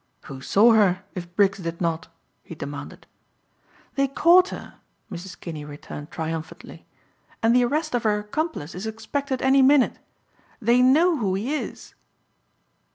"Who saw her if Briggs did not?" he demanded. "They caught her," Mrs. Kinney returned triumphantly, "and the arrest of her accomplice is expected any minute. They know who he is."